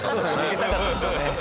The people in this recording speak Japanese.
逃げたかったんでしょうね。